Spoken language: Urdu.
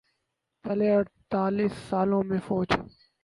چھلے اڑتالیس سالوں میں فوج